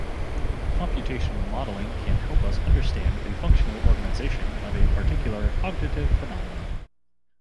Computational modeling can help us understand the functional organization of a particular cognitive phenomenon.